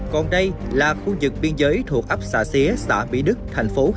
còn đây là khu vực biên giới thuộc hấp xã xía xã mỹ đức tp hcm